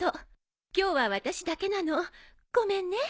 今日は私だけなのごめんね。